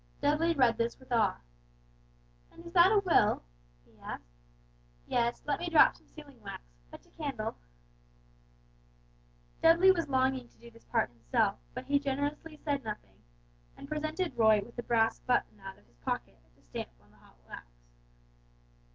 Dudley read this with awe. "And is that a will?" he asked. "Yes, let me drop some sealing wax; fetch a candle!" Dudley was longing to do this part himself, but he generously said nothing, and presented Roy with a brass button out of his pocket, to stamp on the hot wax.